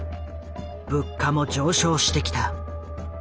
物価も上昇してきた。